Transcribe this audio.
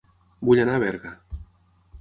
Vull anar a Berga